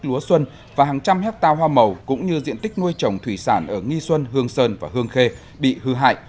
lúa xuân và hàng trăm hectare hoa màu cũng như diện tích nuôi trồng thủy sản ở nghi xuân hương sơn và hương khê bị hư hại